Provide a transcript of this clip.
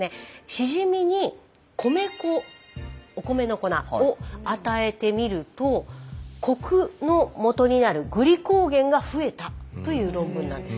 シジミに米粉お米の粉を与えてみるとコクのもとになるグリコーゲンが増えたという論文なんです。